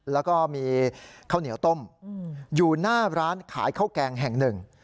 แล้วก็มีข้าวเหนียวต้มอยู่หน้าร้านขายข้าวแกงแห่งหนึ่ง